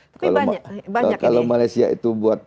tapi banyak ini kalau malaysia itu buat